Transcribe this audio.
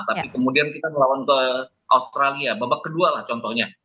tapi kemudian kita melawan ke australia babak kedua lah contohnya